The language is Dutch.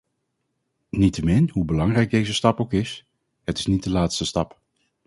Niettemin hoe belangrijk deze stap ook is, het is niet de laatste stap.